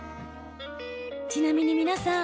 ちなみに皆さん